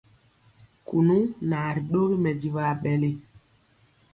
Kunu naa ri dɔgi mɛdivɔ aɓɛli.